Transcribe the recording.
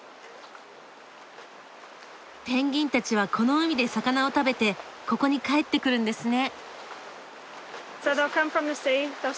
ペンギンたちはこの海で魚を食べてここに帰ってくるんですね。